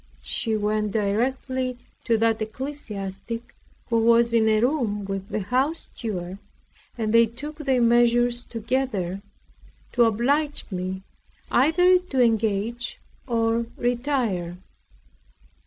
She went directly to that ecclesiastic, who was in a room with the house steward; and they took their measures together, to oblige me either to engage or retire.